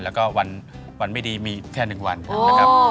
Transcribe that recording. แล้วก็วันไม่ดีมีแค่๑วันนะครับ